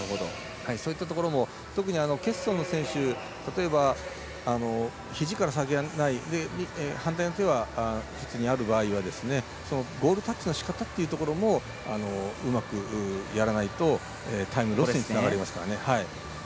そういったところも特に欠損の選手ひじから先がない反対の手は普通にある場合はゴールタッチのしかたというところもうまくやらないとタイムロスにつながりますから。